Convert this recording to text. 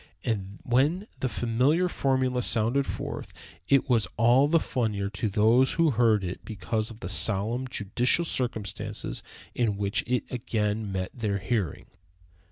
And when the familiar formula sounded forth, it was all the funnier to those who heard it because of the solemn, judicial circumstances in which it again met their hearing.